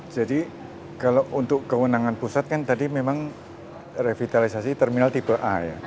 jadi kalau untuk kewenangan pusat kan tadi memang revitalisasi terminal tipe a